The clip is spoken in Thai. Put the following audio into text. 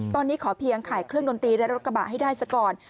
ตอนนี้ขอเพียงขายเครื่องดนตรีและรถกระบะให้ได้ซะก่อน